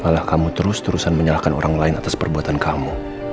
malah kamu terus terusan menyalahkan orang lain atas perbuatan kamu